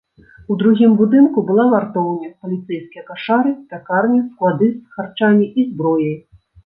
У другім будынку была вартоўня, паліцэйскія кашары, пякарня, склады з харчамі і зброяй.